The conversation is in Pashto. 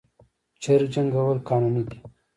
چرګ جنګول قانوني دي؟